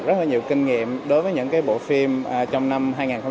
tôi đã có rất là nhiều kinh nghiệm đối với những cái bộ phim trong năm hai nghìn hai mươi hai